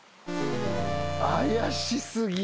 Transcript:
怪し過ぎ。